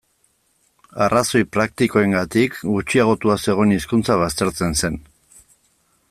Arrazoi praktikoengatik gutxiagotua zegoen hizkuntza baztertzen zen.